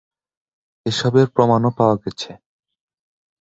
এসবের প্রমাণও পাওয়া গেছে।